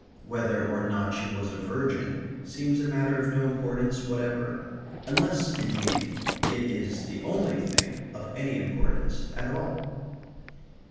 Whether or not she was a virgin seems a matter of no importance whatever. Unless, indeed, it is the only thing of any importance at all.